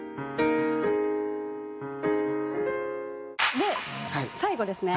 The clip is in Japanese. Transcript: で最後ですね